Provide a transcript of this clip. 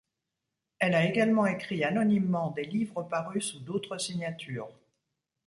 Elle a également écrit anonymement des livres parus sous d'autres signatures.